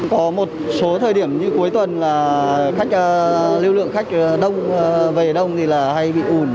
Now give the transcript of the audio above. có một số thời điểm như cuối tuần là lưu lượng khách về đông thì hay bị ủn